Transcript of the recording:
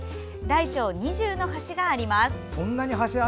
大小２０の橋があります。